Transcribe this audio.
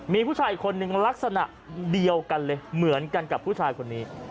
มีผู้ชายอีกคนนึงลักษณะเดียวกันเลยเหมือนกันกับผู้ชายคนนี้